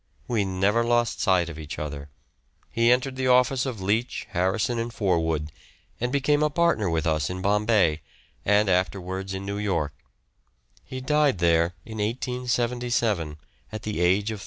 We never lost sight of each other. He entered the office of Leech, Harrison and Forwood, and became a partner with us in Bombay, and afterwards in New York; he died there in 1877, at the age of 34.